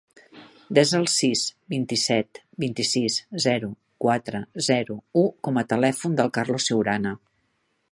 Desa el sis, vint-i-set, vint-i-sis, zero, quatre, zero, u com a telèfon del Carlos Ciurana.